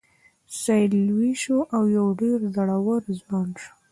سید لوی شو او یو ډیر زړور ځوان شو.